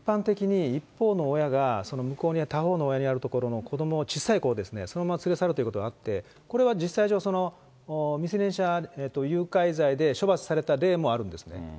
一般的に、一方の親が、その向こうに、他方の親にあるところの子どもを、小さいころ、そのまま連れ去るということがあって、これは実際上、未成年者誘拐罪で処罰された例もあるんですね。